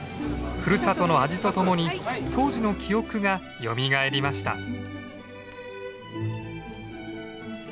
ふるさとの味とともに当時の記憶がよみがえりました。